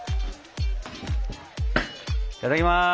いただきます！